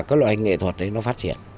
cái loại nghệ thuật đấy nó phát triển